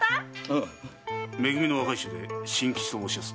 め組の若い衆で新吉と申します。